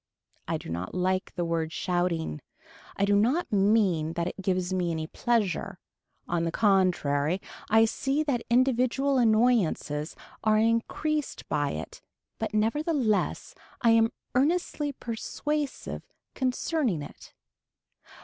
I do not like the word shouting. I do not mean that it gives me any pleasure. On the contrary I see that individual annoyances are increased by it but nevertheless I am earnestly persuasive concerning it.